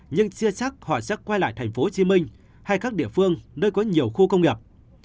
nhưng xia sắc họ sẽ quay lại tp hcm hay các địa phương nơi có nhiều khu công nghiệp